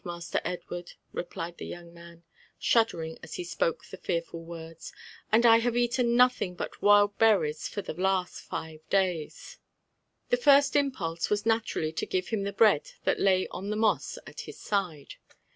Master Edward," replied the young man, shuddering as he spoke the fearful words, *' and I have eaten nothing but wild berries for the last five days." The first impulse was naturally to give him the bread that lay on the moss at his side.